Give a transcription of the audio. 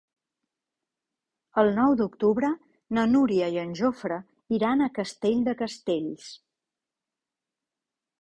El nou d'octubre na Núria i en Jofre iran a Castell de Castells.